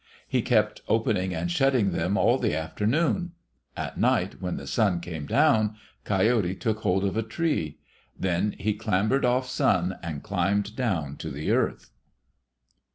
He kept opening and shutting them all the afternoon. At night, when Sun came down, Coyote took hold of a tree. Then he clambered off Sun and climbed down to the earth.